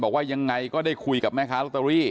บอกว่ายังไงก็ได้คุยกับแม่ค้าลอตเตอรี่